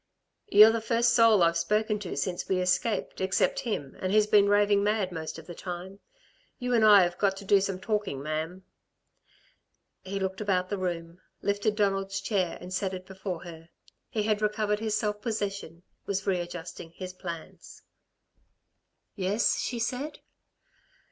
"You're the first soul I've spoken to since we escaped except him, and he's been raving mad most of the time. You and I've got to do some talking, ma'am." He looked about the room, lifted Donald's chair and set it before her. He had recovered his self possession, was readjusting his plans. "Yes?" she said.